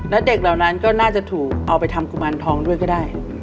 และเด็กเหล่านั้นก็น่าจะถูกเอาไปทำกุมารทองด้วยก็ได้